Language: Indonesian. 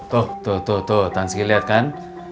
tuh tuh tuh tanski liat kan